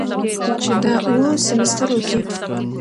چې دا اووه سميسترو کې